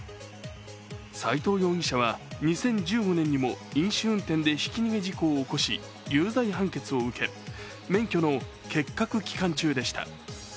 斉藤容疑者は２０１５年にも飲酒運転でひき逃げ事故を起こし有罪判決を受け免許の欠格期間中でした。